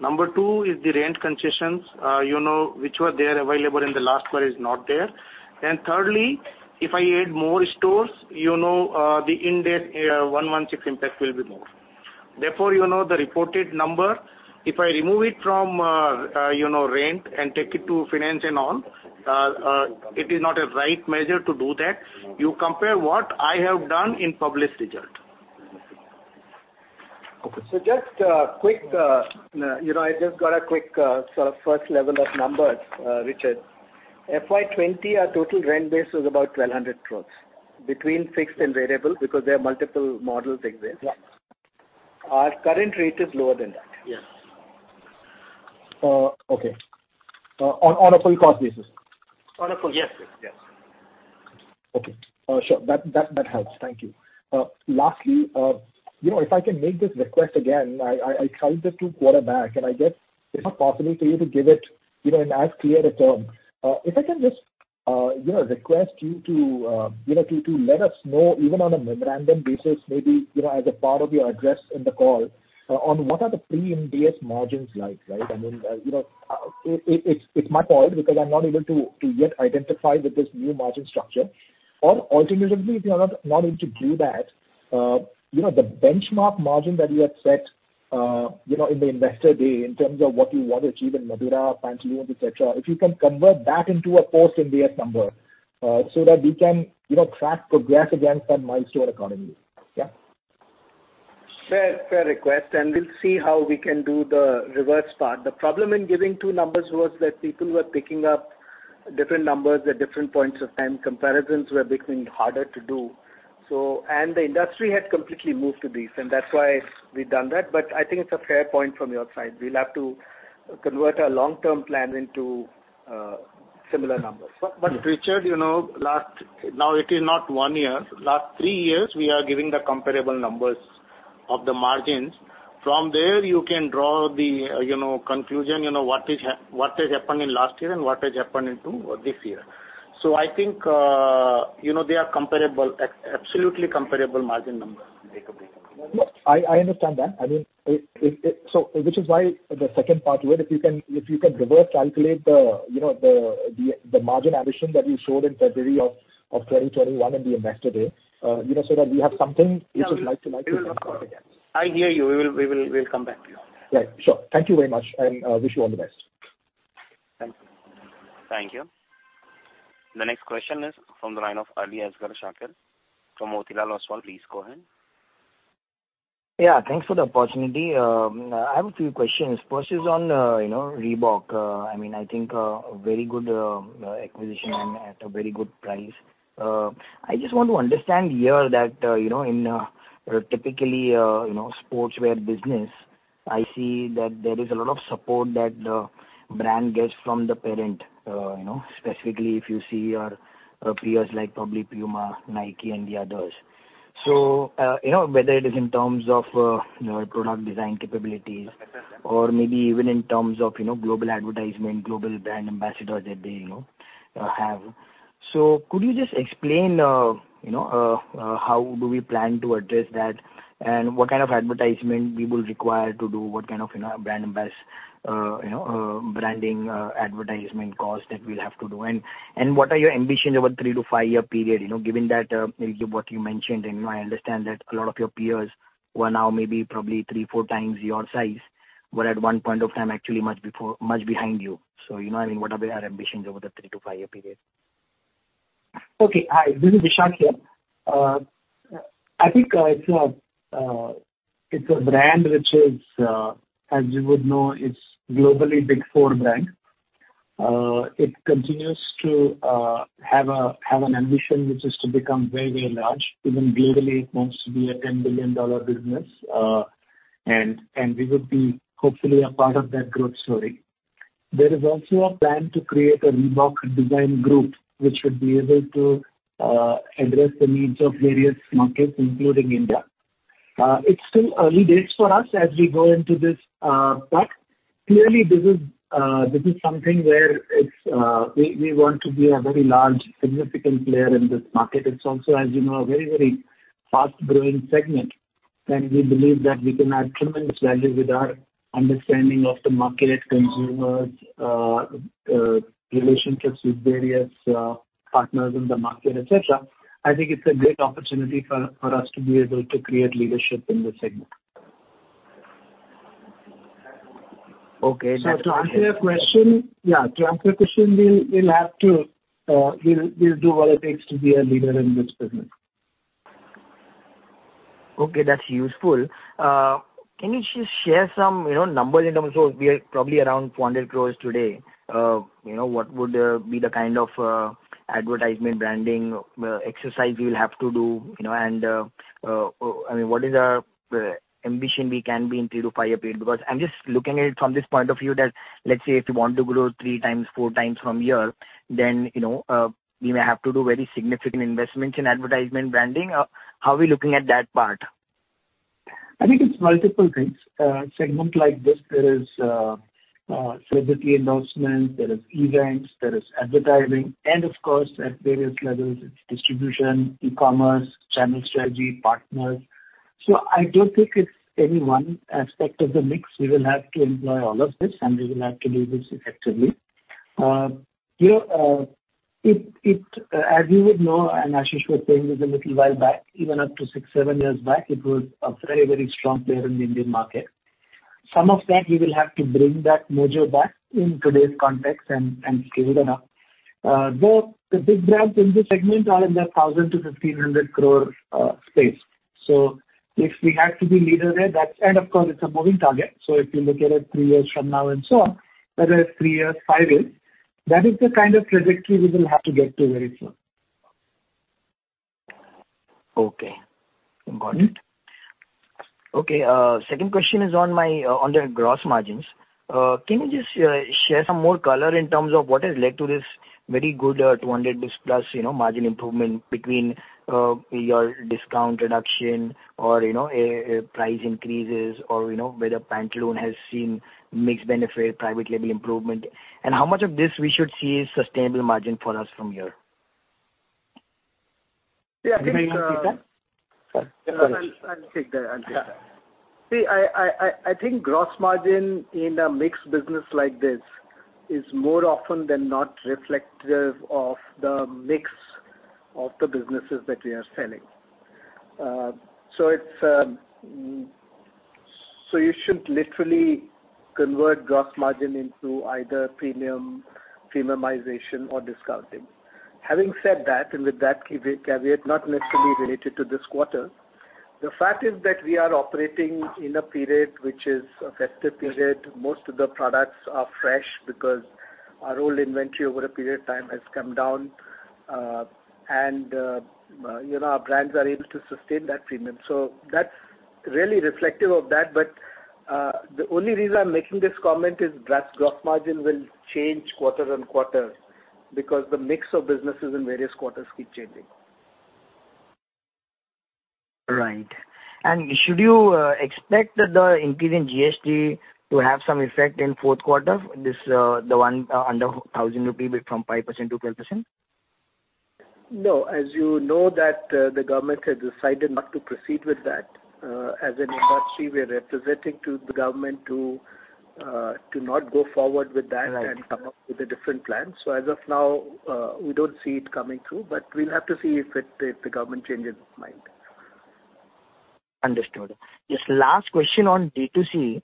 Number two is the rent concessions, you know, which were available there in the last quarter is not there. Then thirdly, if I add more stores, you know, the Ind AS 116 impact will be more. Therefore, you know, the reported number, if I remove it from, you know, rent and take it to finance and on, it is not a right measure to do that. You compare what I have done in published result. Okay. Just quick, you know, I just got a quick sort of first level of numbers, Richard. FY 2020, our total rent base was about 1,200 crores between fixed and variable, because there are multiple models exist. Yeah. Our current rate is lower than that. Yes. Okay. On a full cost basis? On a full, yes, yes. Okay. Sure. That helps. Thank you. Lastly, you know, if I can make this request again, I tried it two quarters back, and I guess it's not possible for you to give it, you know, in as clear a term. If I can just, you know, request you to, you know, to let us know even on a memorandum basis, maybe, you know, as a part of your address in the call, on what are the pre-Ind AS margins like, right? I mean, you know, it's my fault because I'm not able to yet identify with this new margin structure. Alternatively, if you're not able to do that, you know, the benchmark margin that you had set, you know, in the investor day in terms of what you want to achieve in Madura, Pantaloons, et cetera, if you can convert that into a post-Ind AS 116 number, so that we can, you know, track progress against that milestone accordingly. Yeah? Fair, fair request, and we'll see how we can do the reverse part. The problem in giving two numbers was that people were picking up different numbers at different points of time. Comparisons were becoming harder to do, so the industry had completely moved to these, and that's why we've done that. I think it's a fair point from your side. We'll have to convert our long-term plan into similar numbers. Richard, you know, now it is not one year. Last three years, we are giving the comparable numbers of the margins. From there, you can draw the, you know, conclusion, you know, what has happened in last year and what has happened into this year. I think, you know, they are comparable, absolutely comparable margin numbers. I understand that. I mean, it which is why the second part where if you can reverse calculate the margin addition that you showed in February of 2021 in the Investor Day, so that we have something which is like to like- We will, of course. I hear you. We'll come back to you. Right. Sure. Thank you very much, and wish you all the best. Thank you. Thank you. The next question is from the line of Aliasgar Shakir from Motilal Oswal. Please go ahead. Yeah, thanks for the opportunity. I have a few questions. First is on, you know, Reebok. I mean, I think very good acquisition and at a very good price. I just want to understand here that, you know, in typically, you know, sportswear business, I see that there is a lot of support that the brand gets from the parent, you know, specifically if you see your peers, like probably Puma, Nike and the others. So, you know, whether it is in terms of, you know, product design capabilities or maybe even in terms of, you know, global advertisement, global brand ambassadors that they, you know, have. Could you just explain, you know, how do we plan to address that and what kind of advertisement we will require to do? What kind of, you know, you know, branding advertisement cost that we'll have to do? What are your ambitions over three to five year period, you know, given that, what you mentioned and I understand that a lot of your peers who are now maybe probably three, four times your size were at one point of time actually much before, much behind you. You know what I mean, what are their ambitions over the three to five year period? Okay. Hi, this is Vishak here. I think it's a brand which is, as you would know, it's globally big four brand. It continues to have an ambition which is to become very, very large. Even globally, it wants to be a $10 billion business, and we would be hopefully a part of that growth story. There is also a plan to create a Reebok Design Group which would be able to address the needs of various markets, including India. It's still early days for us as we go into this, but clearly this is something where we want to be a very large significant player in this market. It's also, as you know, a very, very fast growing segment, and we believe that we can add tremendous value with our understanding of the market, consumers, relationships with various, partners in the market, et cetera. I think it's a great opportunity for us to be able to create leadership in this segment. Okay. To answer your question, we'll have to do what it takes to be a leader in this business. Okay, that's useful. Can you just share some, you know, numbers in terms of we are probably around 400 crore today. You know, what would be the kind of advertisement branding exercise we will have to do, you know? I mean, what is our ambition we can be in three to five year period? Because I'm just looking at it from this point of view that, let's say if you want to grow three times, four times from here, then, you know, we may have to do very significant investments in advertisement branding. How are we looking at that part? I think it's multiple things. Segment like this, there is celebrity endorsement, there is events, there is advertising, and of course, at various levels it's distribution, e-commerce, channel strategy, partners. I don't think it's any one aspect of the mix. We will have to employ all of this, and we will have to do this effectively. You know, it, as you would know and Ashish was saying this a little while back, even up to six, seven years back, it was a very, very strong player in the Indian market. Some of that we will have to bring that mojo back in today's context and scale it up. The big brands in this segment are in the 1,000 crore-1,500 crore space. If we have to be leader there, that's, and of course it's a moving target. If you look at it three years from now and so on, whether it's three years, five years, that is the kind of trajectory we will have to get to very soon. Okay. Got it. Okay, second question is on the gross margins. Can you just share some more color in terms of what has led to this very good 200+ you know margin improvement between your discount reduction or you know price increases or you know whether Pantaloons has seen mixed benefit, private label improvement, and how much of this we should see is sustainable margin for us from here? Yeah, I think. Can I take that? I'll take that. I think gross margin in a mixed business like this is more often than not reflective of the mix of the businesses that we are selling. You shouldn't literally convert gross margin into either premiumization or discounting. Having said that, and with that caveat, not necessarily related to this quarter, the fact is that we are operating in a period which is a festive period. Most of the products are fresh because our old inventory over a period of time has come down, you know, our brands are able to sustain that premium. That's really reflective of that. The only reason I'm making this comment is gross margin will change quarter-on-quarter because the mix of businesses in various quarters keep changing. Right. Should you expect the increase in GST to have some effect in fourth quarter, this the one under 1000 rupee from 5%-12%? No. As you know that the government has decided not to proceed with that. As an industry, we are representing to the government to not go forward with that. Right. Come up with a different plan. As of now, we don't see it coming through, but we'll have to see if the government changes its mind. Understood. Just last question on D2C.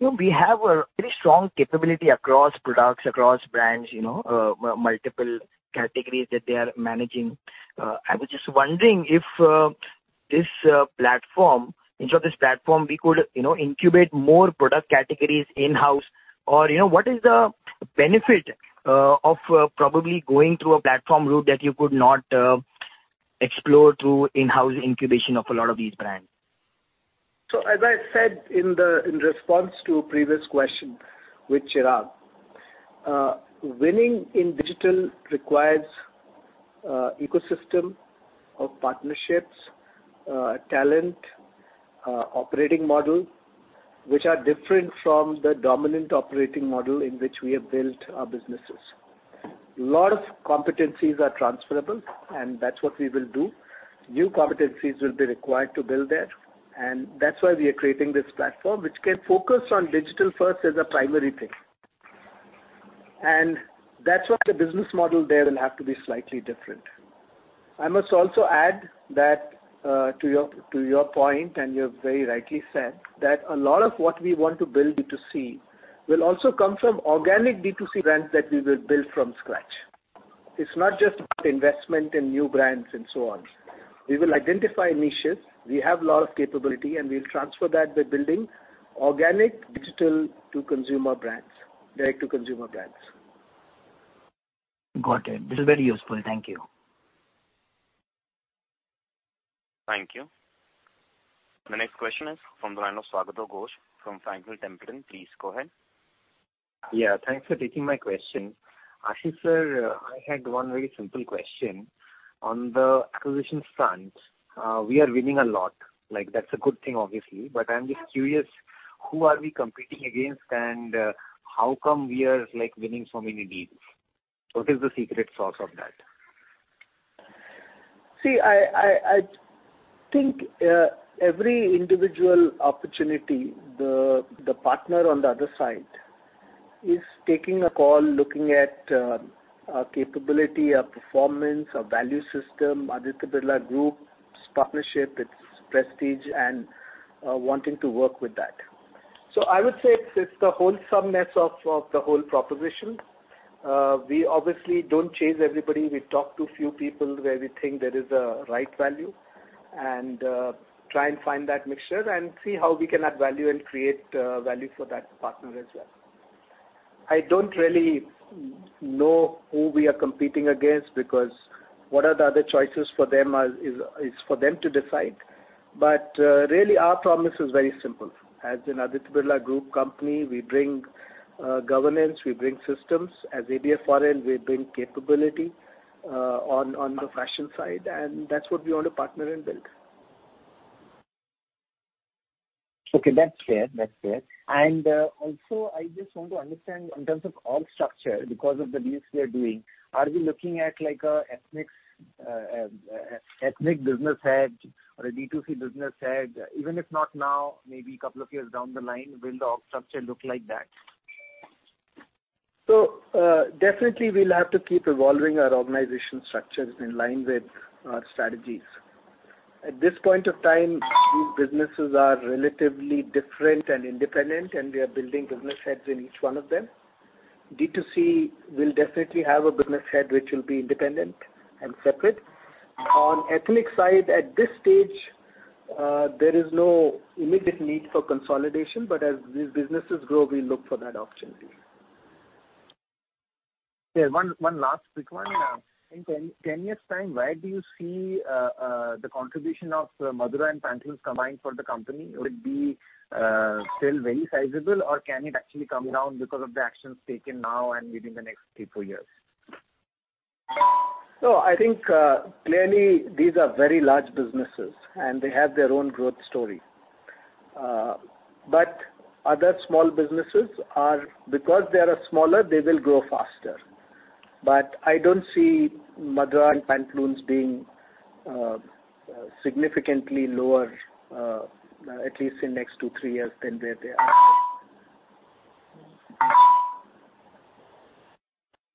You know, we have a very strong capability across products, across brands, you know, multiple categories that they are managing. I was just wondering if this platform, each of this platform we could, you know, incubate more product categories in-house or, you know, what is the benefit of probably going through a platform route that you could not explore through in-house incubation of a lot of these brands? As I said in response to a previous question with Chirag, winning in digital requires ecosystem of partnerships, talent, operating model, which are different from the dominant operating model in which we have built our businesses. A lot of competencies are transferable, and that's what we will do. New competencies will be required to build that, and that's why we are creating this platform, which can focus on digital first as a primary thing. That's why the business model there will have to be slightly different. I must also add that to your point, and you've very rightly said, that a lot of what we want to build D2C will also come from organic D2C brands that we will build from scratch. It's not just about investment in new brands and so on. We will identify niches. We have a lot of capability, and we'll transfer that by building organic direct to consumer brands, direct to consumer brands. Got it. This is very useful. Thank you. Thank you. The next question is from the line of Swagato Ghosh from Franklin Templeton. Please go ahead. Yeah, thanks for taking my question. Ashish, sir, I had one very simple question. On the acquisition front, we are winning a lot. Like, that's a good thing, obviously. But I'm just curious, who are we competing against and, how come we are, like, winning so many deals? What is the secret sauce of that? See, I think every individual opportunity, the partner on the other side is taking a call, looking at our capability, our performance, our value system, Aditya Birla Group's partnership, its prestige, and wanting to work with that. I would say it's the wholesomeness of the whole proposition. We obviously don't chase everybody. We talk to a few people where we think there is a right value and try and find that mixture and see how we can add value and create value for that partner as well. I don't really know who we are competing against because what the other choices for them are is for them to decide. Really, our promise is very simple. As an Aditya Birla Group company, we bring governance, we bring systems. As ABFRL, we bring capability, on the fashion side, and that's what we want to partner and build. Okay, that's fair. Also, I just want to understand in terms of org structure, because of the deals we are doing, are we looking at like, ethnic business head or a D2C business head? Even if not now, maybe a couple of years down the line, will the org structure look like that? Definitely we'll have to keep evolving our organization structures in line with our strategies. At this point of time, these businesses are relatively different and independent, and we are building business heads in each one of them. D2C will definitely have a business head which will be independent and separate. On ethnic side, at this stage, there is no immediate need for consolidation, but as these businesses grow, we look for that opportunity. Yeah. One last quick one. In 10 years' time, where do you see the contribution of Madura and Pantaloons combined for the company? Will it be still very sizable, or can it actually come down because of the actions taken now and maybe in the next three to four years? I think, clearly these are very large businesses and they have their own growth story. Other small businesses are, because they are smaller, they will grow faster. I don't see Madura and Pantaloons being significantly lower, at least in next two, three years than where they are.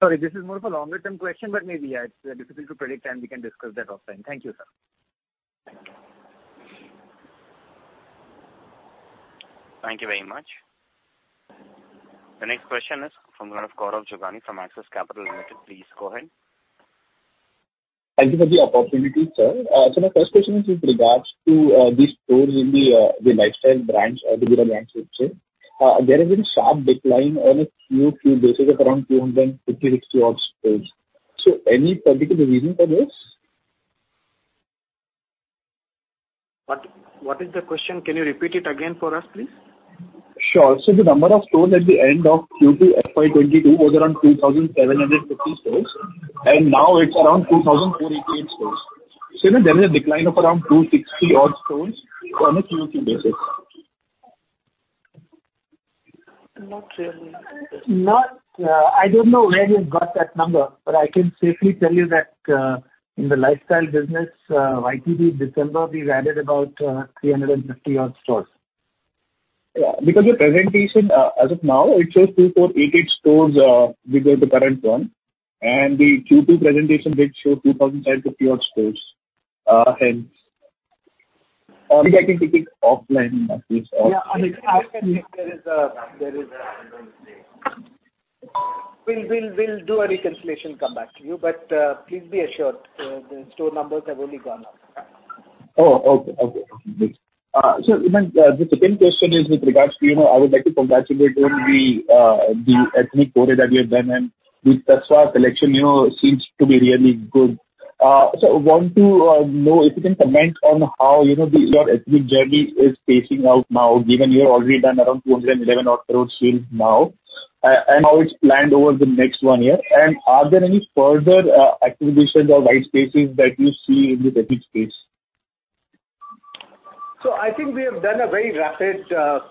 Sorry, this is more of a longer-term question, but maybe, yeah, it's difficult to predict, and we can discuss that offline. Thank you, sir. Thank you. Thank you very much. The next question is from Gaurav Jogani of Axis Capital Limited. Please go ahead. Thank you for the opportunity, sir. My first question is with regards to the stores in the lifestyle brands or the brands, let's say. There has been a sharp decline on a Q2 basis of around 256 odd stores. Any particular reason for this? What is the question? Can you repeat it again for us, please? Sure. The number of stores at the end of Q2 FY 2022 was around 2,750 stores, and now it's around 2,288 stores. There is a decline of around 260 odd stores on a Q2 basis. Not really. I don't know where you got that number, but I can safely tell you that in the Lifestyle Business, YTD December, we've added about 350-odd stores. Yeah, because your presentation, as of now, it shows 2,488 stores vis-à-vis the current one, and the Q2 presentation did show 2,750 odd stores. Or we can take it offline at least. Yeah, I can check. We'll do a recalculation, come back to you. Please be assured, the store numbers have only gone up. The second question is with regards to, you know, I would like to congratulate on the ethnic foray that you have done, and the Tasva collection, you know, seems to be really good. Want to know if you can comment on how, you know, your ethnic journey is pacing out now, given you have already done around 211 odd stores till now, and how it's planned over the next one year. Are there any further acquisitions or white spaces that you see in the ethnic space? I think we have done a very rapid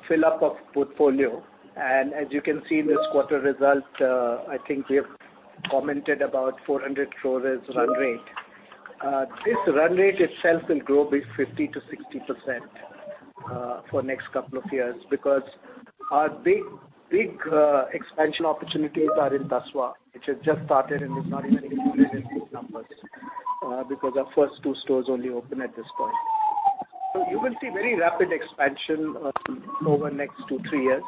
fill up of portfolio. As you can see in this quarter result, I think we have commented about 400 crore run rate. This run rate itself will grow by 50%-60% for next couple of years because our big expansion opportunities are in Tasva, which has just started and is not even included in these numbers because our first two stores only opened at this point. You will see very rapid expansion over next two, three years.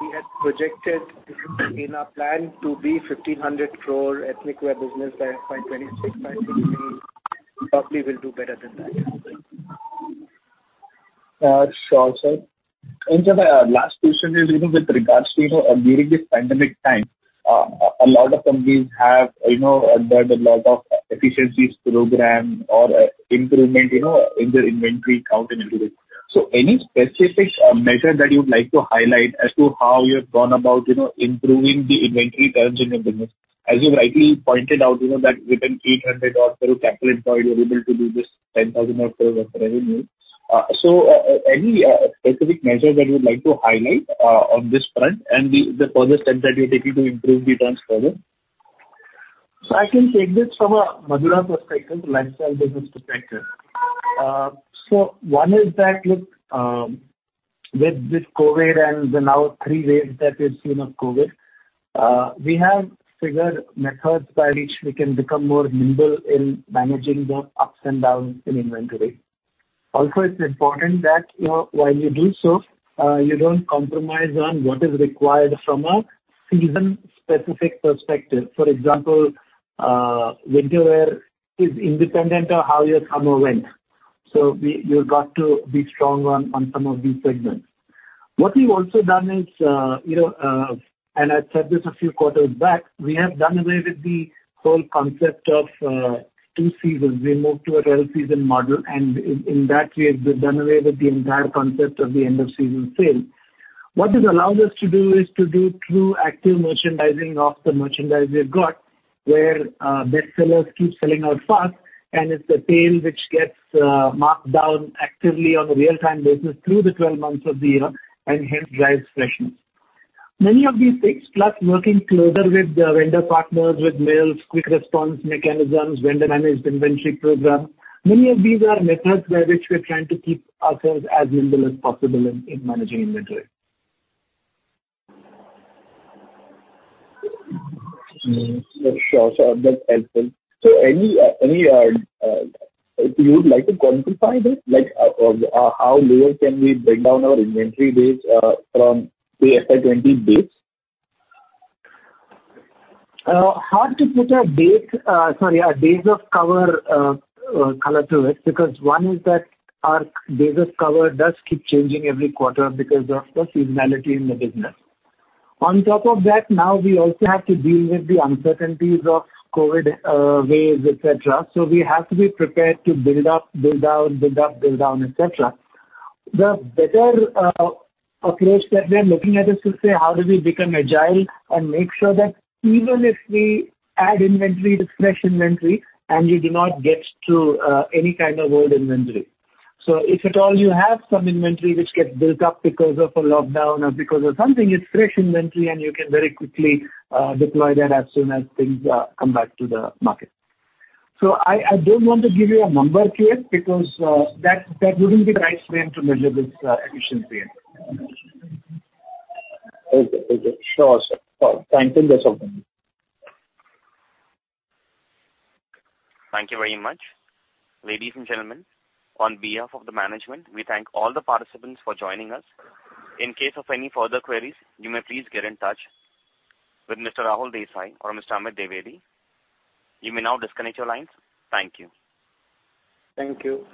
We had projected in our plan to be 1,500 crore ethnic wear business by FY 2026, by FY 2028. Probably we'll do better than that. Sure, sir. Sir, the last question is, you know, with regards to, you know, during this pandemic time, a lot of companies have, you know, done a lot of efficiencies program or improvement, you know, in their inventory count and everything. Any specific measure that you'd like to highlight as to how you've gone about, you know, improving the inventory turns in your business? As you rightly pointed out, you know, that with an 800-odd crore capital employed, you're able to do this 10,000-odd crore of revenue. Any specific measure that you would like to highlight on this front and the further steps that you're taking to improve the turns further? I can take this from a Madura perspective, lifestyle business perspective. One is that, look, with this COVID and the now three waves that we've seen of COVID, we have figured methods by which we can become more nimble in managing the ups and downs in inventory. Also, it's important that, you know, while you do so, you don't compromise on what is required from a season-specific perspective. For example, winter wear is independent of how your summer went. You've got to be strong on some of these segments. What we've also done is, you know, I've said this a few quarters back, we have done away with the whole concept of two seasons. We moved to a 12-season model, and in that we have done away with the entire concept of the end of season sale. What this allows us to do is to do true active merchandising of the merchandise we've got, where bestsellers keep selling out fast, and it's the tail which gets marked down actively on a real-time basis through the 12 months of the year, and hence drives freshness. Many of these things, plus working closer with the vendor partners, with mills, quick response mechanisms, vendor managed inventory program, many of these are methods by which we're trying to keep ourselves as nimble as possible in managing inventory. Sure, sure. That's helpful. Any you would like to quantify this? Like, how lower can we bring down our inventory days from the FY 2020 base? Hard to put a number to it, because our days of cover does keep changing every quarter because of the seasonality in the business. On top of that, now we also have to deal with the uncertainties of COVID waves, et cetera. We have to be prepared to build up, build down, build up, build down, et cetera. The better approach that we are looking at is to say, how do we become agile and make sure that even if we add inventory, it's fresh inventory, and you do not get to any kind of old inventory. If at all you have some inventory which gets built up because of a lockdown or because of something, it's fresh inventory and you can very quickly deploy that as soon as things come back to the market. I don't want to give you a number here because that wouldn't be the right way to measure this efficiency. Okay. Sure, sir. Thank you for your time. Thank you very much. Ladies and gentlemen, on behalf of the management, we thank all the participants for joining us. In case of any further queries, you may please get in touch with Mr. Rahul Desai or Mr. Amit Dwivedi. You may now disconnect your lines. Thank you. Thank you.